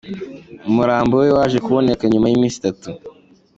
Umurambo we waje kuboneka nyuma y’iminsi itatu.